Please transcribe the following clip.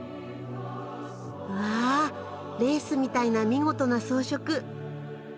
うわレースみたいな見事な装飾。